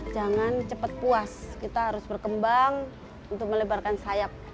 jangan cepat puas kita harus berkembang untuk melebarkan sayap